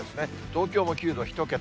東京も９度、１桁。